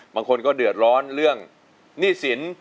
บางคนก็เดือดร้อนเรื่องหนี้สิน